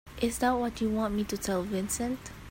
Is that what you want me to tell Vincent?